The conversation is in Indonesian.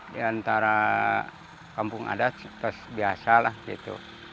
di antara kampung adat terus biasa lah gitu